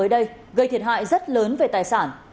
mới đây gây thiệt hại rất lớn về tài sản